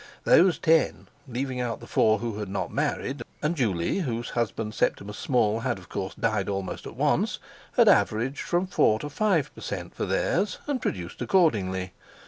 Those ten, leaving out the four who had not married, and Juley, whose husband Septimus Small had, of course, died almost at once, had averaged from four to five per cent. for theirs, and produced accordingly.